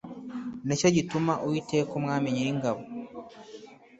ni cyo gituma uwiteka umwami nyiringabo